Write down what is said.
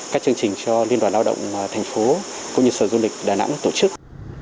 các chương trình cho liên đoàn lao động thành phố cũng như sở du lịch đà nẵng tổ chức